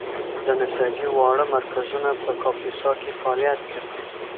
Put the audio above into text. د نساجۍ واړه مرکزونه په کاپیسا کې فعالیت کوي.